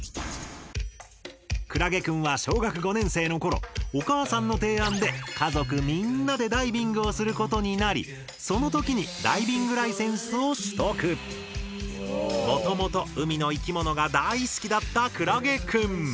くらげくんは小学５年生のころお母さんの提案で家族みんなでダイビングをすることになりその時にもともと海の生き物が大好きだったくらげくん。